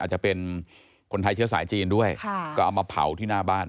จะเป็นคนไทยเชื้อสายจีนด้วยก็เอามาเผาที่หน้าบ้าน